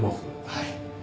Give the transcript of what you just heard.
はい。